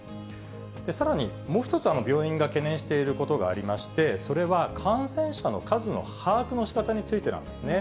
さらにもう一つ、病院が懸念していることがありまして、それは感染者の数の把握のしかたについてなんですね。